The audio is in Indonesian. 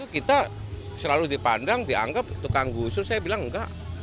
kita selalu dipandang dianggap tukang gusur saya bilang enggak